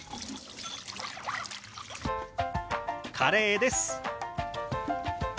カレーです。